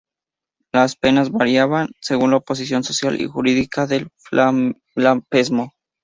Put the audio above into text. Las penas variaban según la posición social y jurídica del blasfemo.